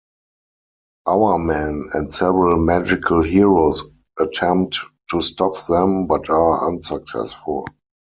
Hourman and several magical heroes attempt to stop them, but are unsuccessful.